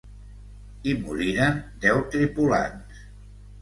Hi moriren deu tripulants.